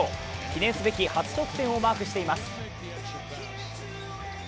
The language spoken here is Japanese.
記念すべき初得点をマークしています。